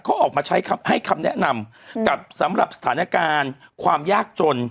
เขาออกมาใช้คำให้คำแนะนำกับสำหรับสถานการณ์ความยากจน